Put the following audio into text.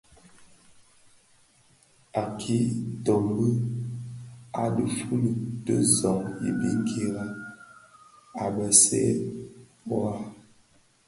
A kitömbö bi dhi fuli di zoň i biňkira a bisèntaï waa.